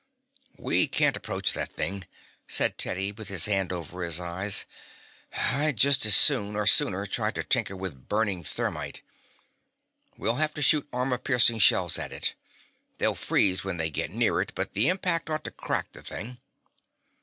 "We can't approach that thing," said Teddy, with his hand over his eyes. "I'd just as soon, or sooner, try to tinker with burning thermite. We'll have to shoot armor piercing shells at it. They'll freeze when they get near it, but the impact ought to crack the thing."